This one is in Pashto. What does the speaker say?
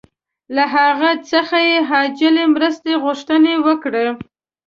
له هغه څخه یې عاجلې مرستې غوښتنه وکړه.